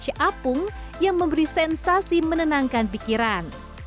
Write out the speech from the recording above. sejak kemudian anda bisa menikmati peluang yang menyenangkan